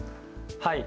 はい。